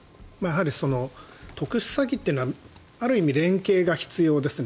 特殊詐欺というのはある意味、連携が必要ですね。